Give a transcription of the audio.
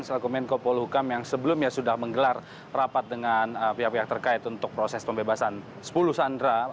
selaku menko polhukam yang sebelumnya sudah menggelar rapat dengan pihak pihak terkait untuk proses pembebasan sepuluh sandera